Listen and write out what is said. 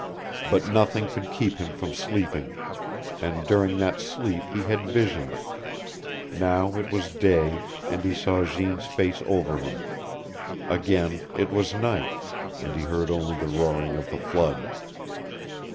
But nothing could keep him from sleeping. And during that sleep he had visions. Now it was day, and he saw Jeanne's face over him; again it was night, and he heard only the roaring of the flood.